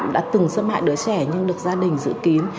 đã từng xâm hại đứa trẻ nhưng được gia đình dự kiến